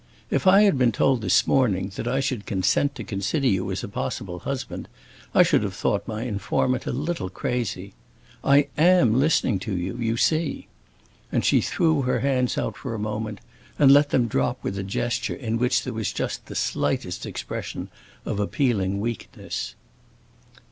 If I had been told this morning that I should consent to consider you as a possible husband, I should have thought my informant a little crazy. I am listening to you, you see!" And she threw her hands out for a moment and let them drop with a gesture in which there was just the slightest expression of appealing weakness.